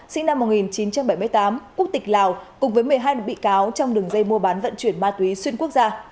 sinh năm một nghìn chín trăm bảy mươi tám quốc tịch lào cùng với một mươi hai bị cáo trong đường dây mua bán vận chuyển ma túy xuyên quốc gia